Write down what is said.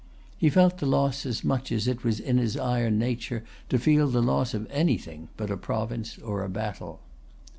He felt the loss as much as it was in his iron nature to feel the loss of anything but a province or a battle.